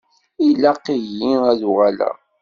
Ilaq-iyi ad uɣaleɣ.